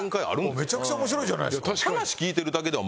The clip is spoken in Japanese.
めちゃくちゃ面白いじゃないですか。